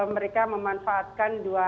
mereka memanfaatkan dua